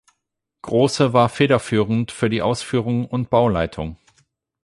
Große war federführend für die Ausführung und Bauleitung.